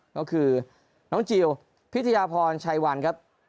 ก็คือน้องจิลพิทยาพรชัยวันครับ